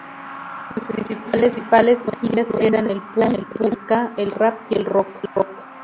Sus principales influencias eran el punk, el ska, el rap y el rock.